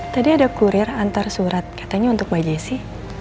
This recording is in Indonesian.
tadi ada kurir antar surat katanya untuk mbak jessi